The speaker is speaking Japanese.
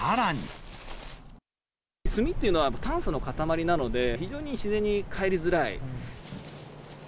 炭っていうのは、炭素の固まりなので、非常に自然に返りづらい。